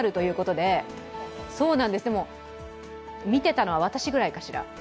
でも、見てたのは私ぐらいかしら。